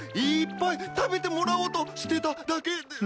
いーっぱい食べてもらおうとしてただけで。